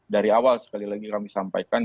dari awal sekali lagi kami sampaikan